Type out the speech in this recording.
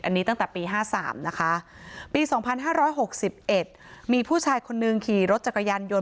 อันนี้ตั้งแต่ปี๕๓นะคะปี๒๕๖๑มีผู้ชายคนนึงขี่รถจักรยานยนต